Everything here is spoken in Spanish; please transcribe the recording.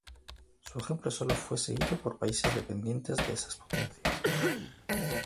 Su ejemplo sólo fue seguido por países dependientes de esas potencias.